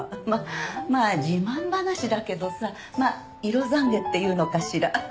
まあ自慢話だけどさまあ色ざんげっていうのかしら？